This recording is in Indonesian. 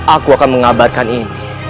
aku akan mengabarkan ini